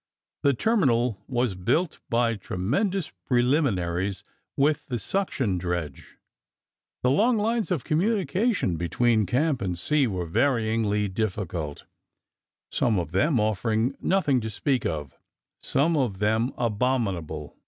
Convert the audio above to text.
The terminal was built by tremendous preliminaries with the suction dredge. The long lines of communication between camp and sea were varyingly difficult, some of them offering nothing to speak of, some of them abominable.